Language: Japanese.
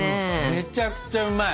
めちゃくちゃうまい。